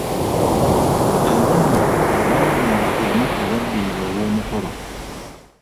Abo nno baagenda olunaku olwaddirira olw'omukolo.